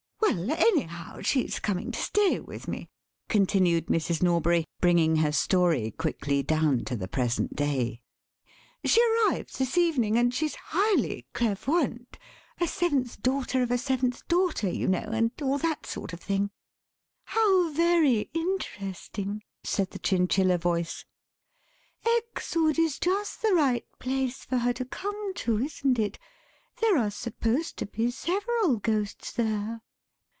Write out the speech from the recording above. "Well, anyhow, she's coming to stay with me," continued Mrs. Norbury, bringing her story quickly down to the present day, "she arrives this evening, and she's highly clairvoyante, a seventh daughter of a seventh daughter, you now, and all that sort of thing." "How very interesting," said the chinchilla voice; "Exwood is just the right place for her to come to, isn't it? There are supposed to be several ghosts there."